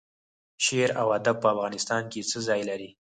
شعر او ادب په افغانستان کې څه ځای لري؟